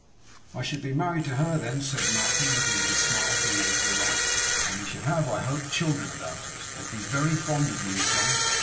'I should be married to her then,' said Martin, looking with a smile towards the light; 'and we should have, I hope, children about us. They'd be very fond of you, Tom.